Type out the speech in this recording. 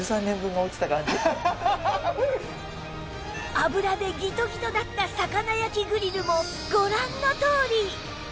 油でギトギトだった魚焼きグリルもご覧のとおり！